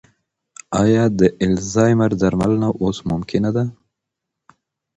ایا د الزایمر درملنه اوس ممکنه ده؟